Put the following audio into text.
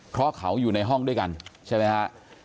เพราะเขาอยู่ในห้องด้วยกันใช่ไหมฮะ